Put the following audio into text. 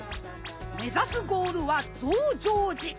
目指すゴールは増上寺。